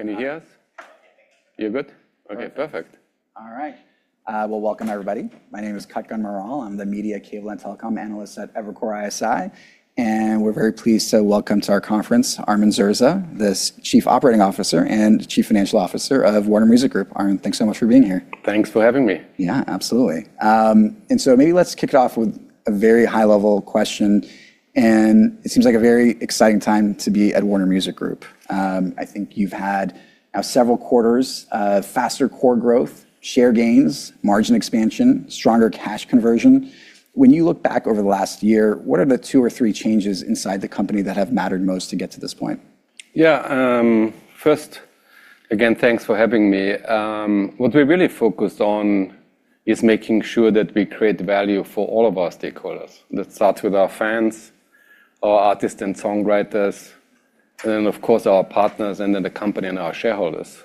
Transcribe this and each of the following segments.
Sorry. Can you hear us? You're good? Okay, perfect. All right. Well, welcome everybody. My name is Kutgun Maral. I'm the media cable and telecom analyst at Evercore ISI, and we're very pleased to welcome to our conference, Armin Zerza, the Chief Operating Officer and Chief Financial Officer of Warner Music Group. Armin, thanks so much for being here. Thanks for having me. Yeah, absolutely. Maybe let's kick it off with a very high-level question. It seems like a very exciting time to be at Warner Music Group. I think you've had now several quarters of faster core growth, share gains, margin expansion, stronger cash conversion. When you look back over the last year, what are the two or three changes inside the company that have mattered most to get to this point? Yeah. First, again, thanks for having me. What we really focused on is making sure that we create value for all of our stakeholders. That starts with our fans, our artists and songwriters, and then of course, our partners and then the company and our shareholders.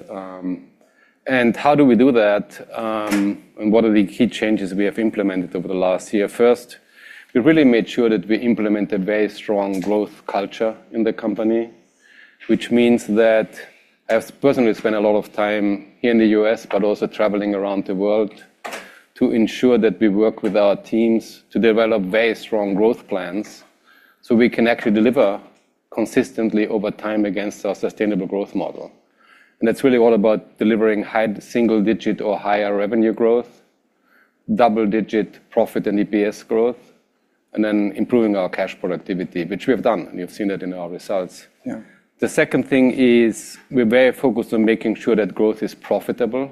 How do we do that, and what are the key changes we have implemented over the last year? First, we really made sure that we implement a very strong growth culture in the company, which means that I have personally spent a lot of time here in the U.S., but also traveling around the world to ensure that we work with our teams to develop very strong growth plans so we can actually deliver consistently over time against our sustainable growth model. That's really all about delivering high single-digit or higher revenue growth, double-digit profit and EPS growth, and then improving our cash productivity, which we have done, and you've seen it in our results. Yeah. The second thing is we're very focused on making sure that growth is profitable.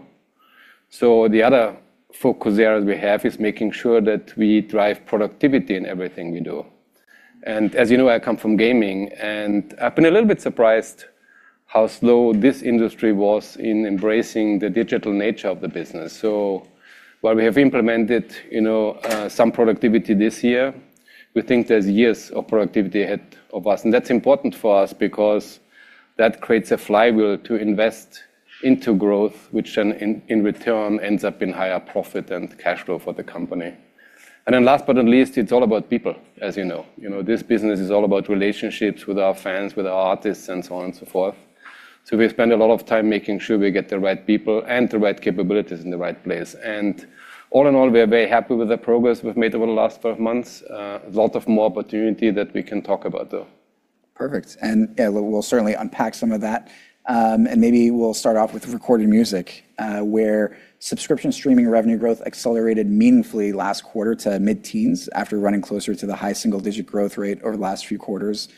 The other focus area we have is making sure that we drive productivity in everything we do. As you know, I come from gaming, and I've been a little bit surprised how slow this industry was in embracing the digital nature of the business. While we have implemented some productivity this year, we think there's years of productivity ahead of us. That's important for us because that creates a flywheel to invest into growth, which then in return ends up in higher profit and cash flow for the company. Last but not least, it's all about people, as you know. This business is all about relationships with our fans, with our artists, and so on and so forth. We spend a lot of time making sure we get the right people and the right capabilities in the right place. All in all, we are very happy with the progress we've made over the last 12 months. A lot of more opportunity that we can talk about, though. Perfect. Yeah, we'll certainly unpack some of that. Maybe we'll start off with recorded music, where subscription streaming revenue growth accelerated meaningfully last quarter to mid-teens after running closer to the high single-digit growth rate over the last few quarters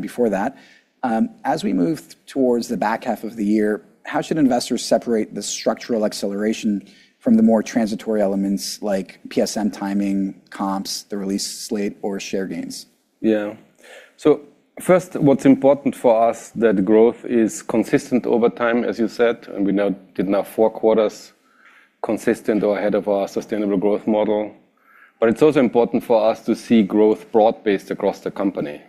before that. As we move towards the back half of the year, how should investors separate the structural acceleration from the more transitory elements like PSM timing, comps, the release slate, or share gains? First, what's important for us, that growth is consistent over time, as you said, and we now did now 4 quarters consistent or ahead of our sustainable growth model. It's also important for us to see growth broad-based across the company.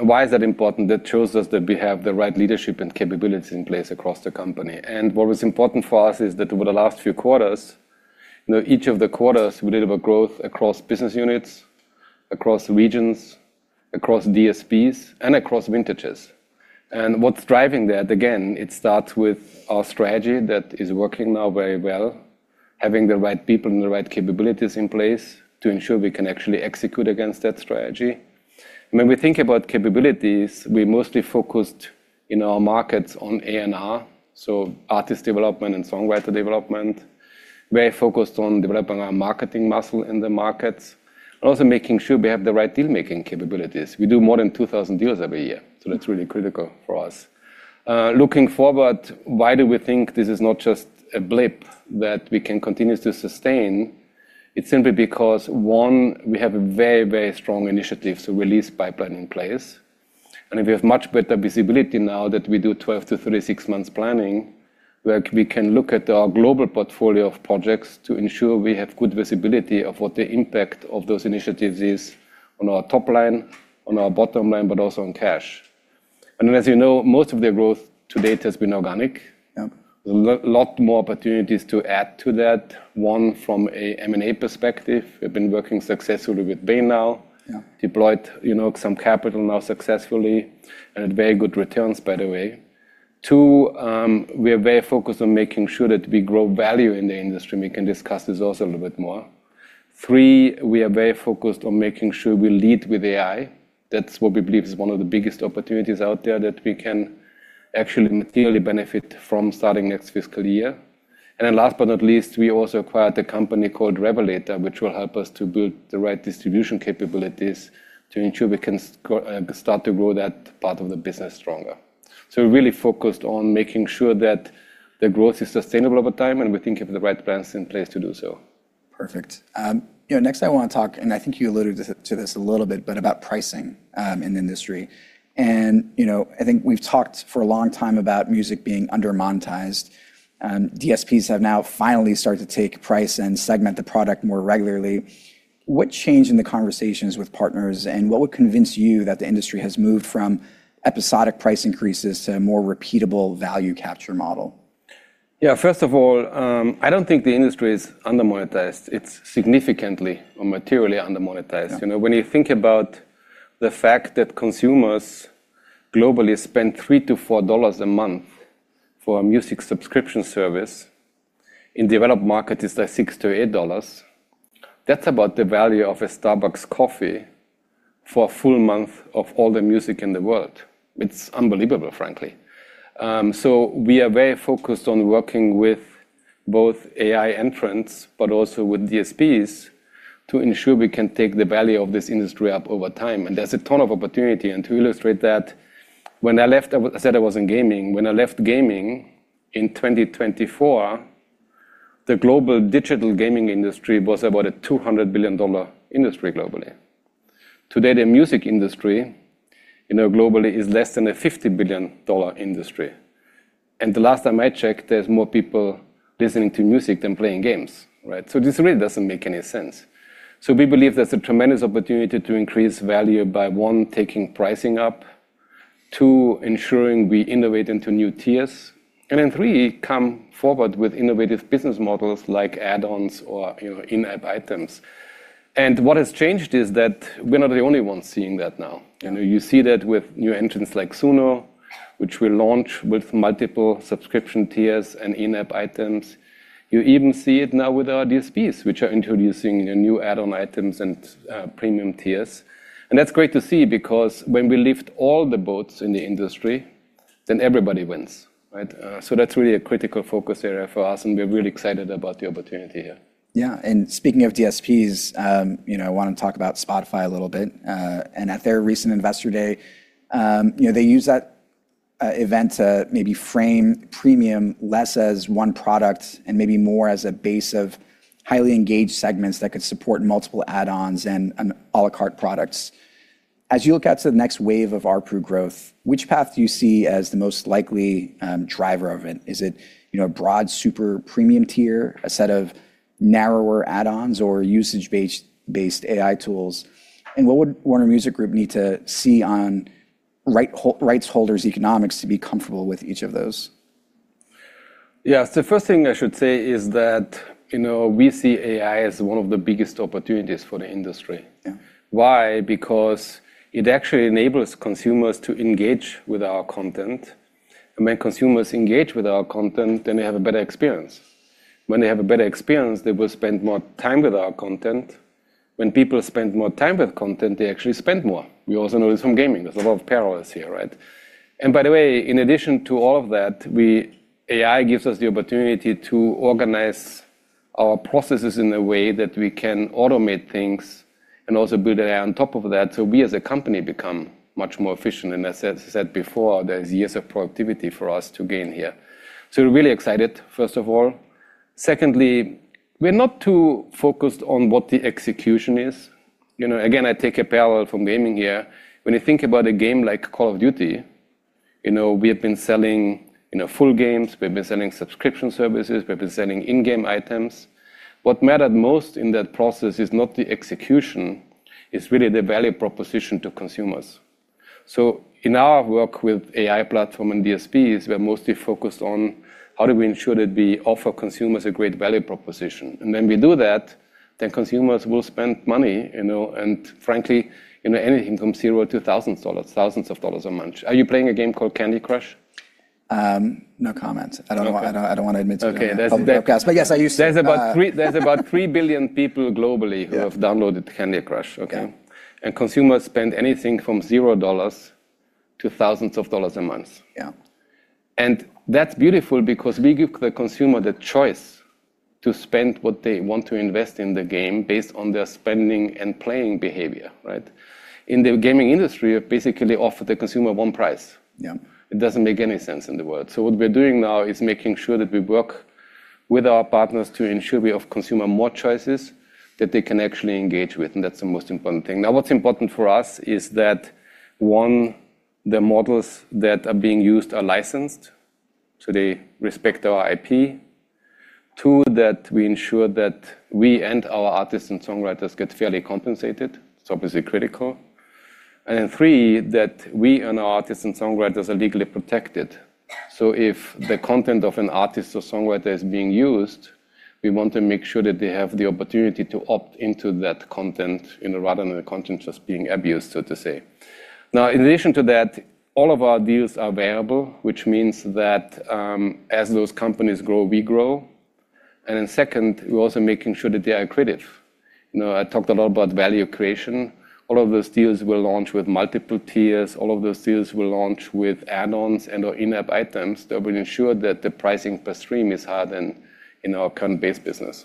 Why is that important? That shows us that we have the right leadership and capabilities in place across the company. What was important for us is that over the last few quarters, each of the quarters, we deliver growth across business units, across regions, across DSPs, and across vintages. What's driving that, again, it starts with our strategy that is working now very well, having the right people and the right capabilities in place to ensure we can actually execute against that strategy. When we think about capabilities, we mostly focused in our markets on A&R, so artist development and songwriter development. Very focused on developing our marketing muscle in the markets, but also making sure we have the right deal-making capabilities. We do more than 2,000 deals every year, so that's really critical for us. Looking forward, why do we think this is not just a blip that we can continue to sustain? It's simply because, one, we have a very strong initiative, so release pipeline in place. We have much better visibility now that we do 12 to 36 months planning, where we can look at our global portfolio of projects to ensure we have good visibility of what the impact of those initiatives is on our top line, on our bottom line, but also on cash. As you know, most of the growth to date has been organic. Yep. A lot more opportunities to add to that. One, from a M&A perspective, we've been working successfully with Bain now. Yeah. Deployed some capital now successfully, and very good returns, by the way. Two, we are very focused on making sure that we grow value in the industry. We can discuss this also a little bit more. Three, we are very focused on making sure we lead with AI. That's what we believe is one of the biggest opportunities out there that we can actually materially benefit from starting next fiscal year. Last but not least, we also acquired a company called Revelator, which will help us to build the right distribution capabilities to ensure we can start to grow that part of the business stronger. We're really focused on making sure that the growth is sustainable over time, and we think we have the right plans in place to do so. Perfect. Next, I want to talk, I think you alluded to this a little bit, about pricing in the industry. I think we've talked for a long time about music being under-monetized. DSPs have now finally started to take price and segment the product more regularly. What changed in the conversations with partners, what would convince you that the industry has moved from episodic price increases to a more repeatable value capture model? Yeah, first of all, I don't think the industry is under-monetized. It's significantly or materially under-monetized. Yeah. When you think about the fact that consumers globally spend $3-$4 a month for a music subscription service, in developed market it's like $6-$8. That's about the value of a Starbucks coffee for a full month of all the music in the world. It's unbelievable, frankly. We are very focused on working with both AI entrants, but also with DSPs to ensure we can take the value of this industry up over time, and there's a ton of opportunity. To illustrate that, I said I was in gaming. When I left gaming in 2024, the global digital gaming industry was about a $200 billion industry globally. Today, the music industry globally is less than a $50 billion industry, and the last time I checked, there's more people listening to music than playing games, right? This really doesn't make any sense. We believe there's a tremendous opportunity to increase value by, one, taking pricing up, two, ensuring we innovate into new tiers, and then three, come forward with innovative business models like add-ons or in-app items. What has changed is that we're not the only ones seeing that now. You see that with new entrants like Suno, which will launch with multiple subscription tiers and in-app items. You even see it now with our DSPs, which are introducing new add-on items and Premium tiers. That's great to see, because when we lift all the boats in the industry, then everybody wins, right? That's really a critical focus area for us and we're really excited about the opportunity here. Yeah. Speaking of DSPs, I want to talk about Spotify a little bit. At their recent investor day, they used that event to maybe frame Premium less as one product and maybe more as a base of highly engaged segments that could support multiple add-ons and à la carte products. As you look out to the next wave of our proof growth, which path do you see as the most likely driver of it? Is it a broad super Premium tier, a set of narrower add-ons, or usage-based AI tools? What would Warner Music Group need to see on rights holders' economics to be comfortable with each of those? Yeah. The first thing I should say is that we see AI as one of the biggest opportunities for the industry. Yeah. Why? Because it actually enables consumers to engage with our content. When consumers engage with our content, then they have a better experience. When they have a better experience, they will spend more time with our content. When people spend more time with content, they actually spend more. We also know this from gaming. There's a lot of parallels here. By the way, in addition to all of that, AI gives us the opportunity to organize our processes in a way that we can automate things and also build AI on top of that, so we as a company become much more efficient. As I said before, there's years of productivity for us to gain here. We're really excited, first of all. Secondly, we're not too focused on what the execution is. Again, I take a parallel from gaming here. When you think about a game like "Call of Duty," we have been selling full games, we've been selling subscription services, we've been selling in-game items. What mattered most in that process is not the execution, it's really the value proposition to consumers. In our work with AI platform and DSPs, we are mostly focused on how do we ensure that we offer consumers a great value proposition. When we do that, then consumers will spend money, and frankly, anything from zero to thousands of dollars a month. Are you playing a game called "Candy Crush"? No comment. Okay. I don't want to admit to playing it on the podcast, but yes, I used to. There's about 3 billion people globally. Yeah who have downloaded Candy Crush, okay? Yeah. Consumers spend anything from $0 to thousands of dollars a month. Yeah. That's beautiful because we give the consumer the choice to spend what they want to invest in the game based on their spending and playing behavior. In the gaming industry, you basically offer the consumer one price. Yeah. It doesn't make any sense in the world. What we are doing now is making sure that we work with our partners to ensure we offer consumer more choices that they can actually engage with, and that's the most important thing. What's important for us is that, one, the models that are being used are licensed, so they respect our IP. Two, that we ensure that we and our artists and songwriters get fairly compensated. It's obviously critical. Three, that we and our artists and songwriters are legally protected. If the content of an artist or songwriter is being used, we want to make sure that they have the opportunity to opt into that content, rather than the content just being abused, so to say. In addition to that, all of our deals are variable, which means that as those companies grow, we grow, second, we're also making sure that they are creative. I talked a lot about value creation. All of those deals will launch with multiple tiers. All of those deals will launch with add-ons and/or in-app items that will ensure that the pricing per stream is higher than in our current base business.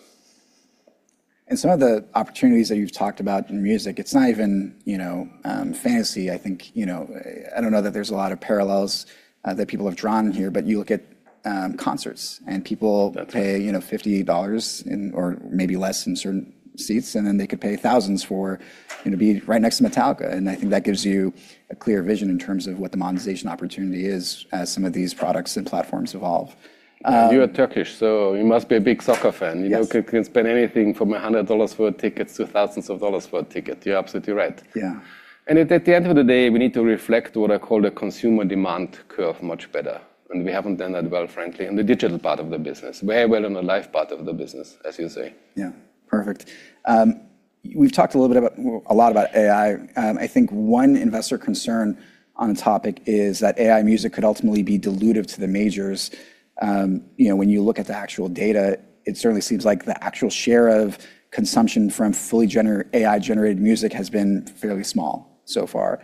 Some of the opportunities that you've talked about in music, it's not even fantasy. I don't know that there's a lot of parallels that people have drawn here, but you look at concerts and people. That's right. pay $58 or maybe less in certain seats, and then they could pay thousands to be right next to Metallica. I think that gives you a clear vision in terms of what the monetization opportunity is as some of these products and platforms evolve. You are Turkish, so you must be a big soccer fan? Yes. You can spend anything from $100 worth of tickets to thousands of dollars for a ticket. You're absolutely right. Yeah. At the end of the day, we need to reflect what I call the consumer demand curve much better, and we haven't done that well, frankly, in the digital part of the business. Very well in the live part of the business, as you say. Yeah. Perfect. We've talked a little bit about, a lot about AI. I think one investor concern on the topic is that AI music could ultimately be dilutive to the majors. When you look at the actual data, it certainly seems like the actual share of consumption from fully AI-generated music has been fairly small so far.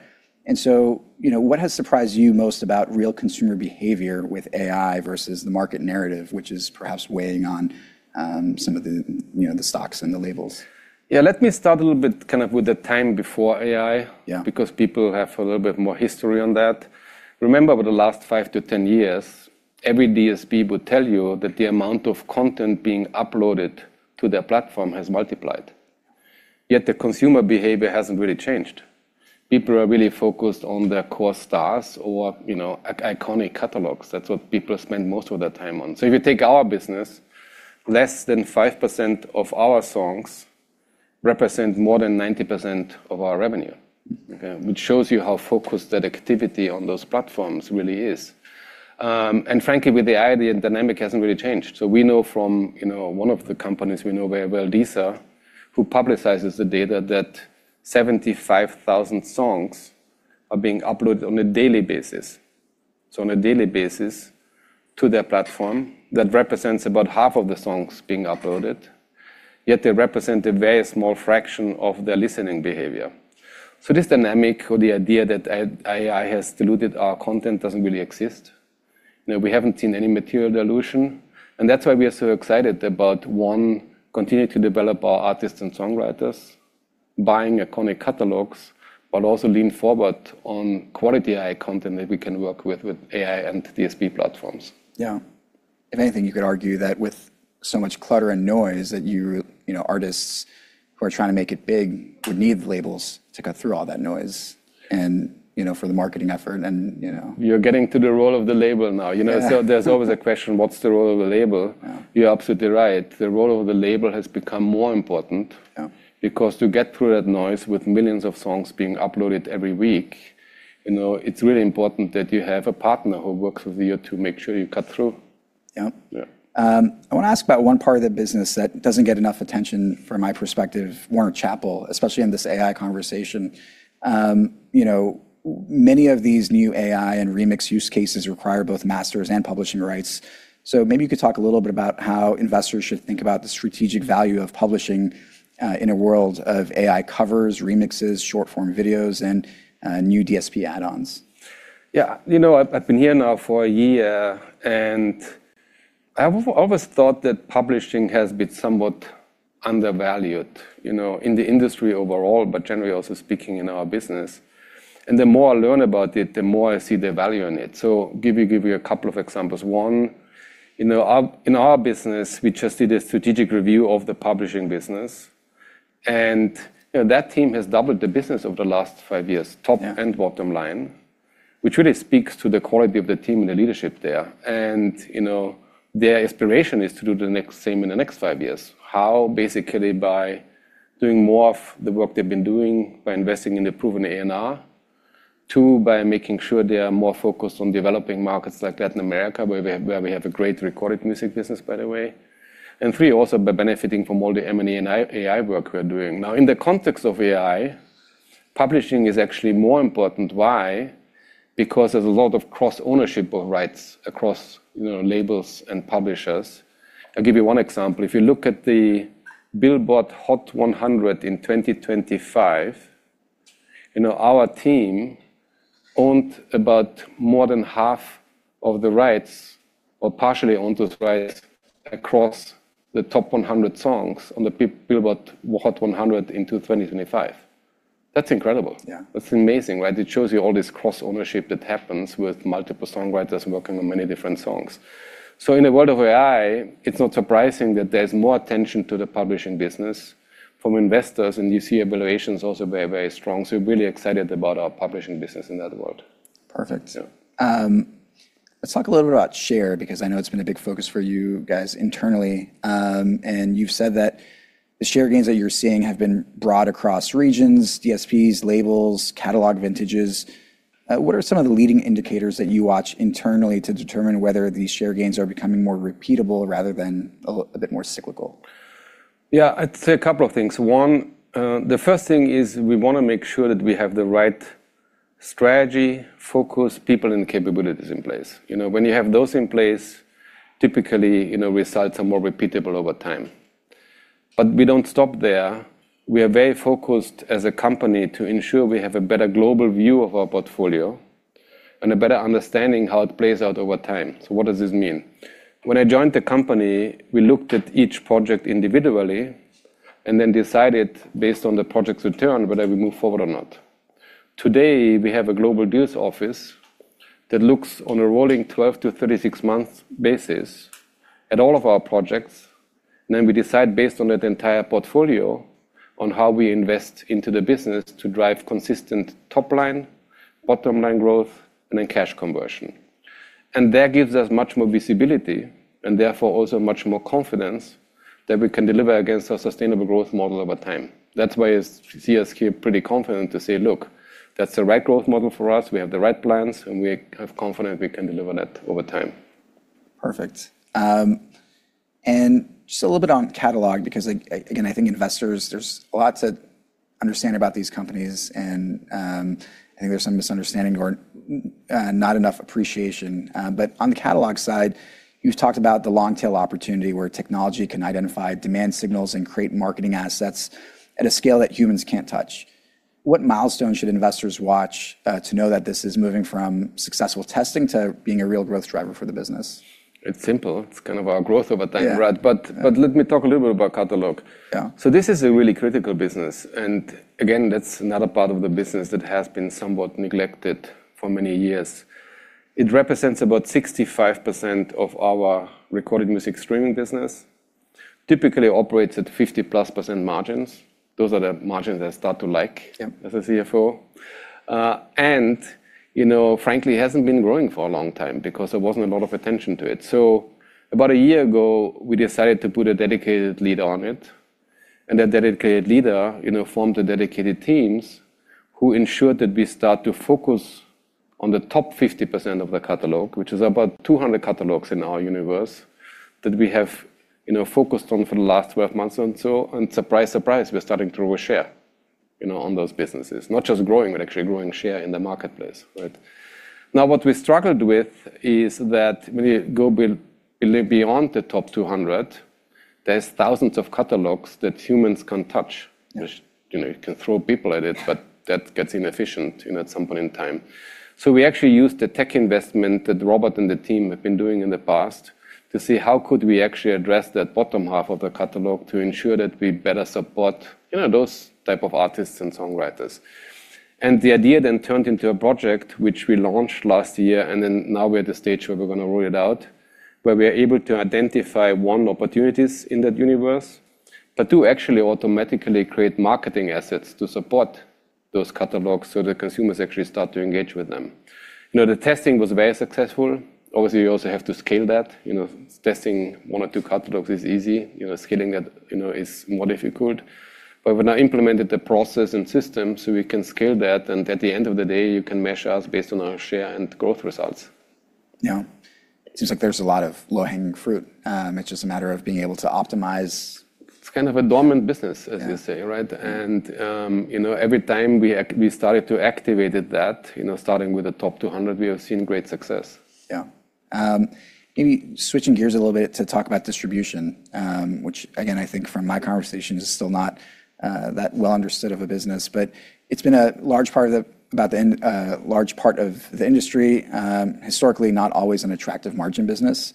What has surprised you most about real consumer behavior with AI versus the market narrative, which is perhaps weighing on some of the stocks and the labels? Yeah. Let me start a little bit kind of with the time before AI. Yeah People have a little bit more history on that. Remember, over the last five to 10 years, every DSP would tell you that the amount of content being uploaded to their platform has multiplied, yet the consumer behavior hasn't really changed. People are really focused on their core stars or iconic catalogs. That's what people spend most of their time on. If you take our business, less than 5% of our songs represent more than 90% of our revenue. Which shows you how focused that activity on those platforms really is. Frankly, with the AI, the dynamic hasn't really changed. We know from one of the companies we know very well, Deezer, who publicizes the data that 75,000 songs are being uploaded on a daily basis. On a daily basis to their platform, that represents about half of the songs being uploaded, yet they represent a very small fraction of their listening behavior. This dynamic or the idea that AI has diluted our content doesn't really exist. We haven't seen any material dilution, that's why we are so excited about, one, continue to develop our artists and songwriters, buying iconic catalogs, but also lean forward on quality AI content that we can work with AI and DSP platforms. Yeah. If anything, you could argue that with so much clutter and noise that artists who are trying to make it big would need the labels to cut through all that noise and, for the marketing effort and, you know. You're getting to the role of the label now. Yeah. There's always a question: what's the role of the label? Yeah. You're absolutely right. The role of the label has become more important. Yeah because to get through that noise with millions of songs being uploaded every week, it's really important that you have a partner who works with you to make sure you cut through. Yep. Yeah. I want to ask about one part of the business that doesn't get enough attention from my perspective, Warner Chappell, especially on this AI conversation. Many of these new AI and remix use cases require both masters and publishing rights. Maybe you could talk a little bit about how investors should think about the strategic value of publishing in a world of AI covers, remixes, short-form videos, and new DSP add-ons. I've been here now for one year, and I've always thought that publishing has been somewhat undervalued in the industry overall, but generally also speaking in our business. The more I learn about it, the more I see the value in it. Give you a couple of examples. One, in our business, we just did a strategic review of the publishing business, and that team has doubled the business over the last five years- Yeah top and bottom line, which really speaks to the quality of the team and the leadership there. Their aspiration is to do the next same in the next five years. How? Basically, by doing more of the work they've been doing by investing in the proven A&R. Two, by making sure they are more focused on developing markets like Latin America, where we have a great recorded music business, by the way. Three, also by benefiting from all the M&A and AI work we're doing. Now, in the context of AI, publishing is actually more important. Why? Because there's a lot of cross-ownership of rights across labels and publishers. I'll give you one example. If you look at the Billboard Hot 100 in 2025, our team owned about more than half of the rights or partially owned those rights across the top 100 songs on the Billboard Hot 100 in 2025. That's incredible. Yeah. That's amazing, right? It shows you all this cross-ownership that happens with multiple songwriters working on many different songs. In the world of AI, it's not surprising that there's more attention to the publishing business from investors, and you see evaluations also very, very strong. We're really excited about our publishing business in that world. Perfect. Yeah. Let's talk a little bit about share, because I know it's been a big focus for you guys internally. You've said that the share gains that you're seeing have been broad across regions, DSPs, labels, catalog vintages. What are some of the leading indicators that you watch internally to determine whether these share gains are becoming more repeatable rather than a bit more cyclical? Yeah. I'd say a couple of things. One, the first thing is we want to make sure that we have the right strategy, focus, people, and capabilities in place. When you have those in place, typically, results are more repeatable over time. We don't stop there. We are very focused as a company to ensure we have a better global view of our portfolio and a better understanding how it plays out over time. What does this mean? When I joined the company, we looked at each project individually and then decided based on the project's return, whether we move forward or not. Today, we have a global deals office that looks on a rolling 12- to 36-month basis at all of our projects, and then we decide based on that entire portfolio on how we invest into the business to drive consistent top-line, bottom-line growth, and then cash conversion. That gives us much more visibility and therefore, also much more confidence that we can deliver against our sustainable growth model over time. That's why you see us here pretty confident to say, "Look, that's the right growth model for us. We have the right plans, and we have confidence we can deliver that over time. Perfect. Just a little bit on catalog, because, again, I think investors, there's a lot to understand about these companies, and I think there's some misunderstanding or not enough appreciation. On the catalog side, you've talked about the long-tail opportunity where technology can identify demand signals and create marketing assets at a scale that humans can't touch. What milestones should investors watch to know that this is moving from successful testing to being a real growth driver for the business? It's simple. It's kind of our growth over time. Yeah Brad. Let me talk a little bit about catalog. Yeah. This is a really critical business. Again, that's another part of the business that has been somewhat neglected for many years. It represents about 65% of our recorded music streaming business. Typically operates at 50-plus % margins. Those are the margins I start to like. Yep as a CFO. Frankly, hasn't been growing for a long time because there wasn't a lot of attention to it. About a year ago, we decided to put a dedicated leader on it, and that dedicated leader formed the dedicated teams who ensured that we start to focus on the top 50% of the catalog, which is about 200 catalogs in our universe that we have focused on for the last 12 months or so. Surprise, surprise, we're starting to over-share on those businesses. Not just growing, but actually growing share in the marketplace, right? What we struggled with is that when you go beyond the top 200, there's thousands of catalogs that humans can touch. Yes. Which, you can throw people at it, but that gets inefficient at some point in time. We actually used the tech investment that Robert and the team have been doing in the past to see how could we actually address that bottom half of the catalog to ensure that we better support those type of artists and songwriters. The idea then turned into a project which we launched last year, and then now we're at the stage where we're going to roll it out, where we are able to identify, one, opportunities in that universe, but two, actually automatically create marketing assets to support those catalogs so the consumers actually start to engage with them. The testing was very successful. Obviously, you also have to scale that. Testing one or two catalogs is easy. Scaling it is more difficult. We now implemented the process and system so we can scale that, and at the end of the day, you can measure us based on our share and growth results. Yeah. Seems like there's a lot of low-hanging fruit. It's just a matter of being able to optimize. It's kind of a dormant business, as you say, right? Yeah. Every time we started to activated that, starting with the top 200, we have seen great success. Yeah. Maybe switching gears a little bit to talk about distribution. Which again, I think from my conversation is still not that well understood of a business, but it's been a large part of the industry. Historically, not always an attractive margin business.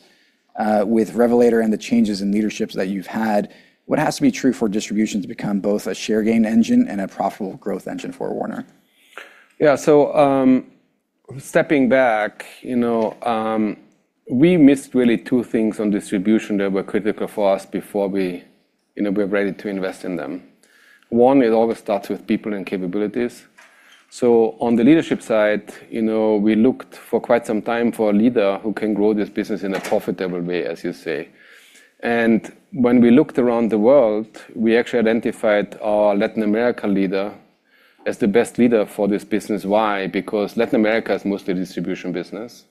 With Revelator and the changes in leaderships that you've had, what has to be true for distribution to become both a share gain engine and a profitable growth engine for Warner? Stepping back, we missed really two things on distribution that were critical for us before we were ready to invest in them. One, it always starts with people and capabilities. On the leadership side, we looked for quite some time for a leader who can grow this business in a profitable way, as you say. When we looked around the world, we actually identified our Latin American leader as the best leader for this business. Why? Because Latin America is mostly a distribution business.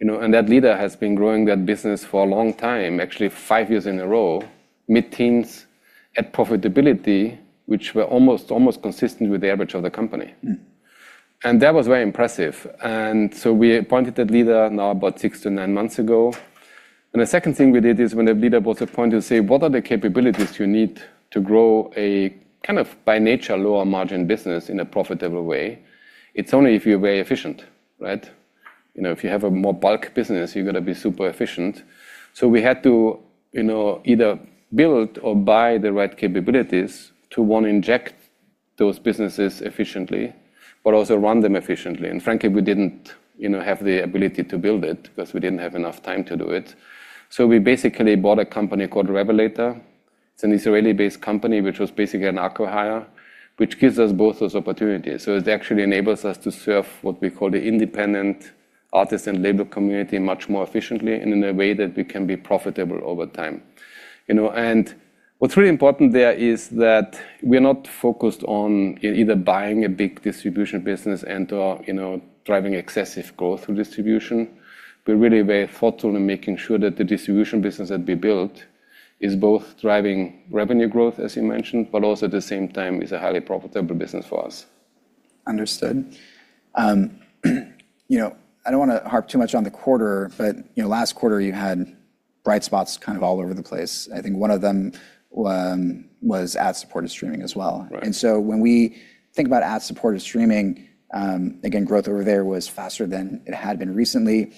That leader has been growing that business for a long time, actually five years in a row, mid-teens at profitability, which were almost consistent with the average of the company. That was very impressive. We appointed that leader now about six to nine months ago. The second thing we did is when a leader was appointed, say, what are the capabilities you need to grow a kind of, by nature, lower margin business in a profitable way? It's only if you're very efficient, right? If you have a more bulk business, you've got to be super efficient. We had to either build or buy the right capabilities to, one, inject those businesses efficiently, but also run them efficiently. Frankly, we didn't have the ability to build it because we didn't have enough time to do it. We basically bought a company called Revelator. It's an Israeli-based company, which was basically an acqui-hire, which gives us both those opportunities. It actually enables us to serve what we call the independent artist and label community much more efficiently and in a way that we can be profitable over time. What's really important there is that we're not focused on either buying a big distribution business and/or driving excessive growth through distribution. We're really very thoughtful in making sure that the distribution business that we built is both driving revenue growth, as you mentioned, but also at the same time is a highly profitable business for us. Understood. I don't want to harp too much on the quarter, last quarter you had bright spots kind of all over the place. I think one of them was ad-supported streaming as well. Right. When we think about ad-supported streaming, again, growth over there was faster than it had been recently.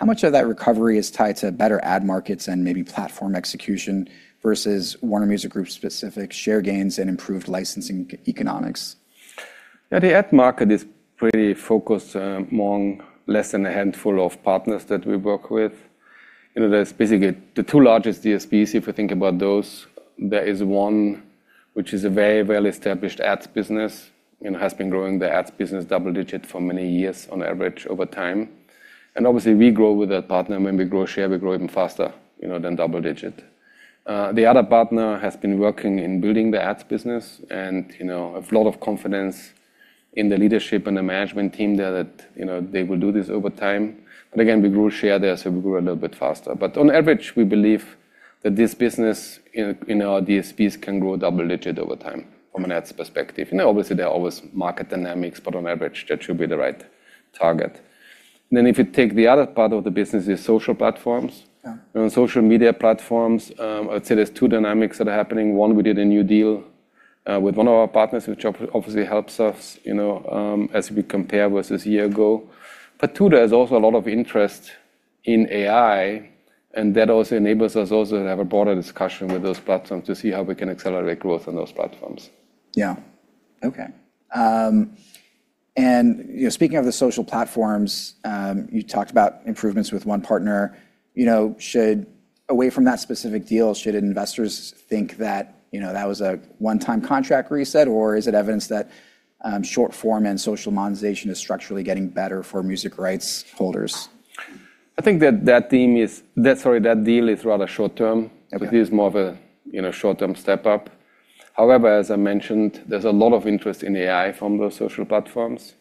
How much of that recovery is tied to better ad markets and maybe platform execution versus Warner Music Group's specific share gains and improved licensing economics? The ad market is pretty focused among less than a handful of partners that we work with. There's basically the two largest DSPs, if we think about those. There is one which is a very well-established ads business, and has been growing the ads business double-digit for many years on average over time. Obviously, we grow with that partner. When we grow share, we grow even faster than double-digit. The other partner has been working in building the ads business, and a lot of confidence in the leadership and the management team there that they will do this over time. Again, we grow share there, so we grow a little bit faster. On average, we believe that this business, our DSPs can grow double-digit over time from an ads perspective. There are always market dynamics, but on average, that should be the right target. If you take the other part of the business is social platforms. Yeah. On social media platforms, I'd say there's two dynamics that are happening. One, we did a new deal with one of our partners, which obviously helps us, as we compare versus year ago. Two, there's also a lot of interest in AI, and that also enables us also to have a broader discussion with those platforms to see how we can accelerate growth on those platforms. Yeah. Okay. Speaking of the social platforms, you talked about improvements with one partner. Away from that specific deal, should investors think that was a one-time contract reset, or is it evidence that short-form and social monetization is structurally getting better for music rights holders? I think that deal is rather short-term. Okay. It is more of a short-term step-up. As I mentioned, there's a lot of interest in AI from those social platforms,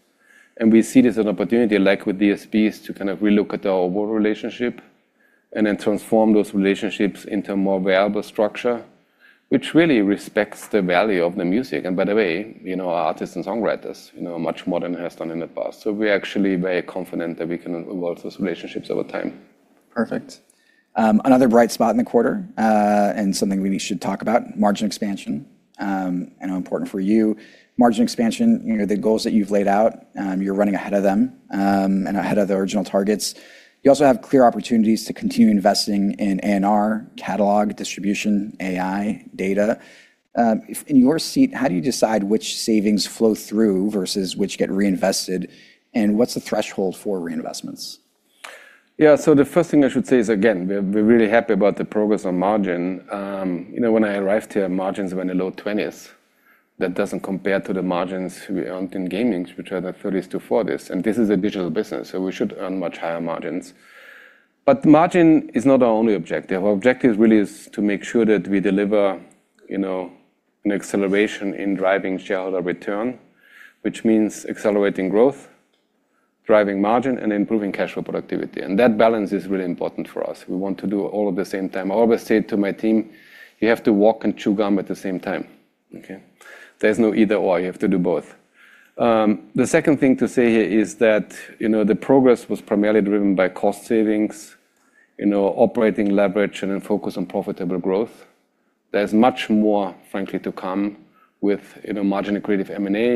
and we see this as an opportunity, like with DSPs, to kind of relook at our overall relationship and then transform those relationships into a more valuable structure, which really respects the value of the music, and by the way, our artists and songwriters, much more than it has done in the past. We are actually very confident that we can evolve those relationships over time. Perfect. Another bright spot in the quarter, and something we should talk about, margin expansion. I know important for you. Margin expansion, the goals that you've laid out, you're running ahead of them, and ahead of the original targets. You also have clear opportunities to continue investing in A&R, catalog, distribution, AI, data. In your seat, how do you decide which savings flow through versus which get reinvested, and what's the threshold for reinvestments? The first thing I should say is, again, we're really happy about the progress on margin. When I arrived here, margins were in the low 20s. That doesn't compare to the margins we earned in gaming, which are the 30s to 40s. This is a digital business, we should earn much higher margins. Margin is not our only objective. Our objective really is to make sure that we deliver an acceleration in driving shareholder return, which means accelerating growth, driving margin, and improving cash flow productivity. That balance is really important for us. We want to do all of the same time. I always say to my team, "You have to walk and chew gum at the same time." Okay. There's no either/or. You have to do both. The second thing to say here is that the progress was primarily driven by cost savings, operating leverage, and a focus on profitable growth. There's much more, frankly, to come with margin accretive M&A,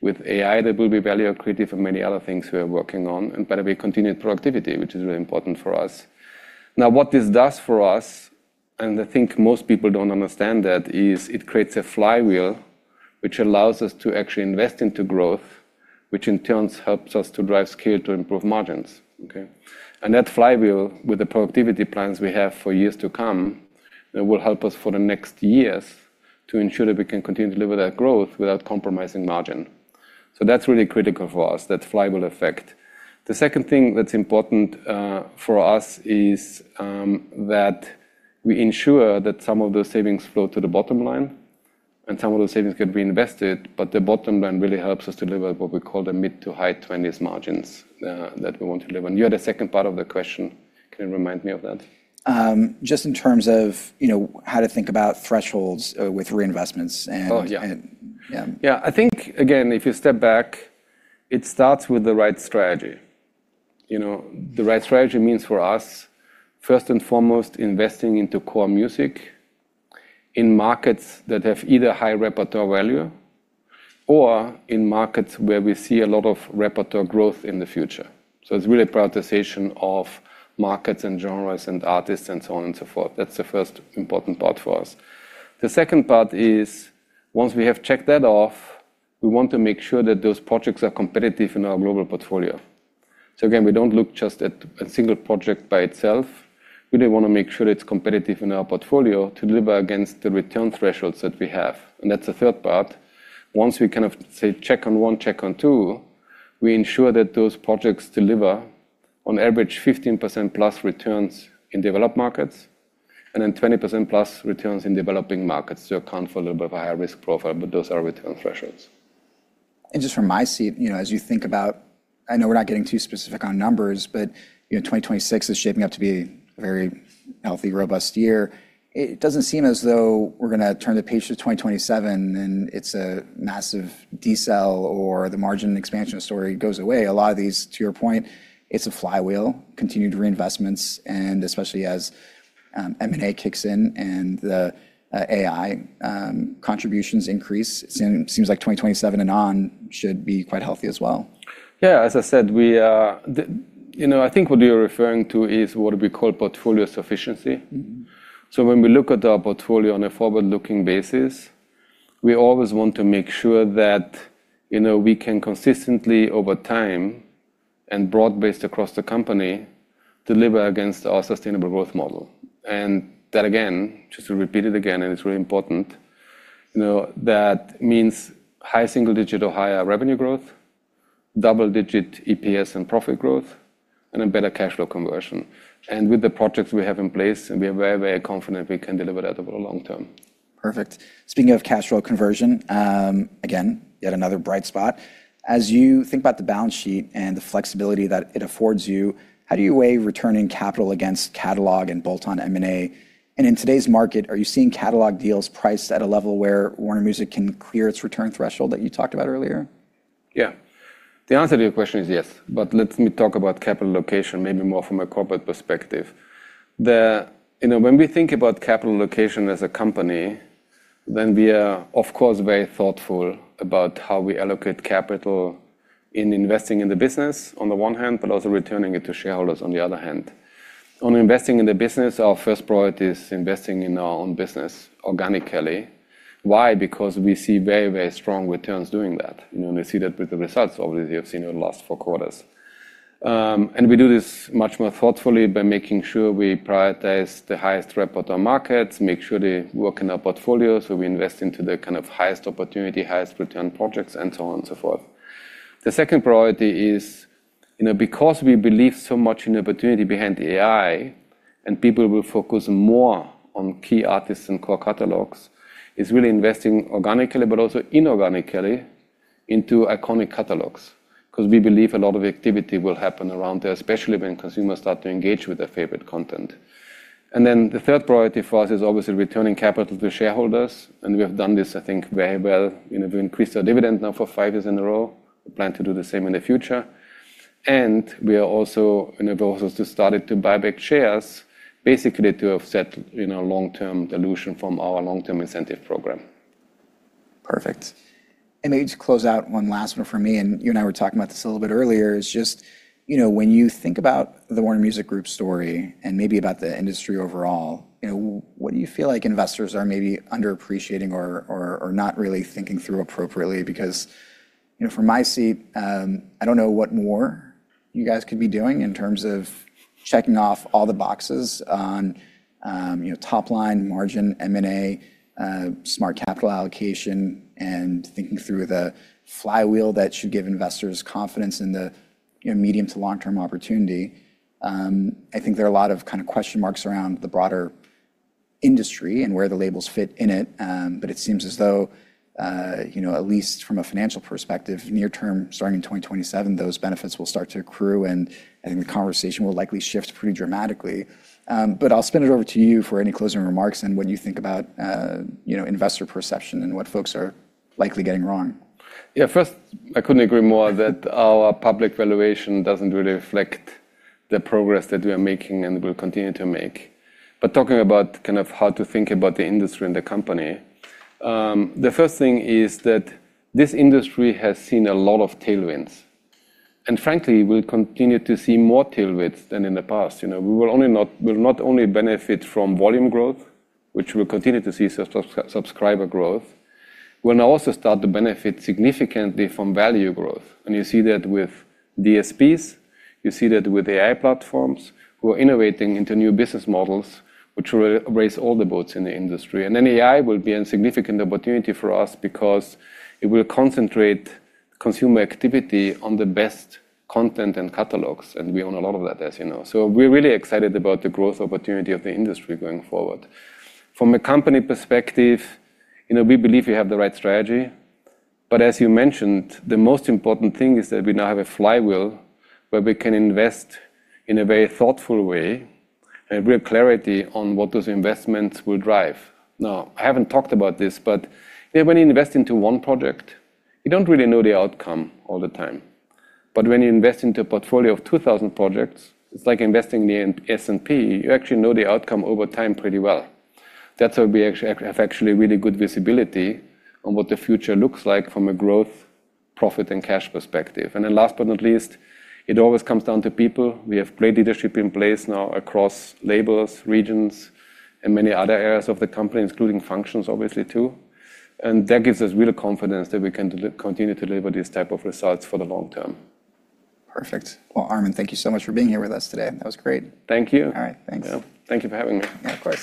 with AI that will be value accretive and many other things we are working on. By the way, continued productivity, which is really important for us. Now, what this does for us, and I think most people don't understand that, is it creates a flywheel, which allows us to actually invest into growth, which in turn helps us to drive scale to improve margins. Okay? That flywheel, with the productivity plans we have for years to come, will help us for the next years to ensure that we can continue to deliver that growth without compromising margin. That's really critical for us, that flywheel effect. The second thing that's important for us is that we ensure that some of those savings flow to the bottom line and some of those savings get reinvested, but the bottom line really helps us deliver what we call the mid to high 20s margins that we want to deliver. You had a second part of the question. Can you remind me of that? Just in terms of how to think about thresholds with reinvestments. Oh, yeah. Yeah. I think, again, if you step back, it starts with the right strategy. The right strategy means for us, first and foremost, investing into core music in markets that have either high repertoire value or in markets where we see a lot of repertoire growth in the future. It's really prioritization of markets and genres and artists and so on and so forth. That's the first important part for us. The second part is, once we have checked that off, we want to make sure that those projects are competitive in our global portfolio. Again, we don't look just at a single project by itself. We then want to make sure it's competitive in our portfolio to deliver against the return thresholds that we have. That's the third part. Once we kind of say check on one, check on two, we ensure that those projects deliver, on average, 15%+ returns in developed markets, and then 20%+ returns in developing markets to account for a little bit of a higher risk profile, but those are return thresholds. Just from my seat, as you think about, I know we're not getting too specific on numbers, but 2026 is shaping up to be a very healthy, robust year. It doesn't seem as though we're going to turn the page to 2027 and it's a massive decel or the margin expansion story goes away. A lot of these, to your point, it's a flywheel, continued reinvestments, and especially as M&A kicks in and the AI contributions increase, it seems like 2027 and on should be quite healthy as well. Yeah. As I said, I think what you're referring to is what we call portfolio sufficiency. When we look at our portfolio on a forward-looking basis, we always want to make sure that we can consistently, over time, and broad-based across the company, deliver against our sustainable growth model. That, again, just to repeat it again, and it's really important, that means high single-digit or higher revenue growth, double-digit EPS and profit growth, and then better cash flow conversion. With the projects we have in place, we are very, very confident we can deliver that over the long term. Perfect. Speaking of cash flow conversion, again, yet another bright spot. As you think about the balance sheet and the flexibility that it affords you, how do you weigh returning capital against catalog and bolt-on M&A? In today's market, are you seeing catalog deals priced at a level where Warner Music can clear its return threshold that you talked about earlier? Yeah. The answer to your question is yes. Let me talk about capital allocation, maybe more from a corporate perspective. When we think about capital allocation as a company, we are, of course, very thoughtful about how we allocate capital in investing in the business on the one hand, but also returning it to shareholders on the other hand. On investing in the business, our first priority is investing in our own business organically. Why? Because we see very strong returns doing that, and we see that with the results. Obviously, you have seen our last four quarters. We do this much more thoughtfully by making sure we prioritize the highest-report on markets, make sure they work in our portfolio, so we invest into the kind of highest opportunity, highest return projects, and so on and so forth. The second priority is, because we believe so much in the opportunity behind AI, and people will focus more on key artists and core catalogs, is really investing organically, but also inorganically into iconic catalogs. Because we believe a lot of activity will happen around there, especially when consumers start to engage with their favorite content. The third priority for us is obviously returning capital to shareholders. We have done this, I think, very well. We increased our dividend now for five years in a row. We plan to do the same in the future. We are also in a process to start to buy back shares, basically to offset long-term dilution from our long-term incentive program. Perfect. Maybe to close out one last one for me, and you and I were talking about this a little bit earlier, is just when you think about the Warner Music Group story and maybe about the industry overall, what do you feel like investors are maybe under-appreciating or not really thinking through appropriately? From my seat, I don't know what more you guys could be doing in terms of checking off all the boxes on top-line margin, M&A, smart capital allocation, and thinking through the flywheel that should give investors confidence in the medium-to-long-term opportunity. I think there are a lot of kind of question marks around the broader industry and where the labels fit in it. It seems as though, at least from a financial perspective, near term, starting in 2027, those benefits will start to accrue, and I think the conversation will likely shift pretty dramatically. I'll spin it over to you for any closing remarks and what you think about investor perception and what folks are likely getting wrong. Yeah, first, I couldn't agree more that our public valuation doesn't really reflect the progress that we are making and will continue to make. Talking about kind of how to think about the industry and the company, the first thing is that this industry has seen a lot of tailwinds. Frankly, we'll continue to see more tailwinds than in the past. We'll not only benefit from volume growth, which we'll continue to see subscriber growth. We'll now also start to benefit significantly from value growth, and you see that with DSPs, you see that with AI platforms who are innovating into new business models, which will raise all the boats in the industry. Then AI will be a significant opportunity for us because it will concentrate consumer activity on the best content and catalogs, and we own a lot of that, as you know. We're really excited about the growth opportunity of the industry going forward. From a company perspective, we believe we have the right strategy. As you mentioned, the most important thing is that we now have a flywheel where we can invest in a very thoughtful way and real clarity on what those investments will drive. Now, I haven't talked about this, but when you invest into one project, you don't really know the outcome all the time. When you invest into a portfolio of 2,000 projects, it's like investing in S&P, you actually know the outcome over time pretty well. That's how we have actually really good visibility on what the future looks like from a growth, profit, and cash perspective. Then last but not least, it always comes down to people. We have great leadership in place now across labels, regions, and many other areas of the company, including functions obviously too. That gives us real confidence that we can continue to deliver these type of results for the long term. Perfect. Well, Armin, thank you so much for being here with us today. That was great. Thank you. All right. Thanks. Thank you for having me. Of course.